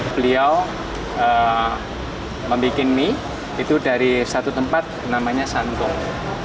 beliau membuat mie itu dari satu tempat namanya santong